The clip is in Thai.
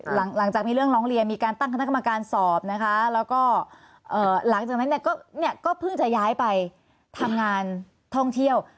หลังจากมีเรื่องร้องเรียนมีการตั้งคณะกรรมการสอบนะคะแล้วก็หลังจากนั้นเนี่ยก็เพิ่งจะย้ายไปทำงานท่องเที่ยว